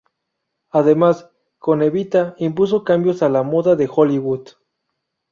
Además, con "Evita" impuso cambios a la moda de Hollywood.